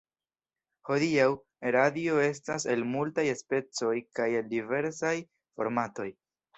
Hodiaŭ, radio estas el multaj specoj, kaj el diversaj formatoj.